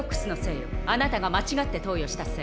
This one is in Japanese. あなたが間違って投与したせい。